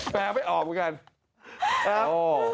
แปลไม่ออกเหมือนกัน